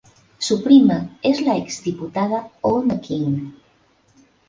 Su prima es la ex-diputada Oona King.